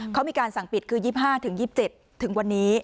เขามีการสั่งปิดคือ๒๕๒๗ถึงวันนี้